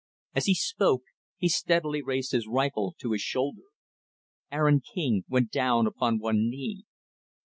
As he spoke, he steadily raised his rifle to his shoulder. Aaron King went down upon one knee.